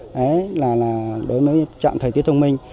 đấy là đối với trạm thời tiết thông minh